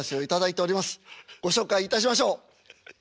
ご紹介いたしましょう。